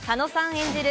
演じる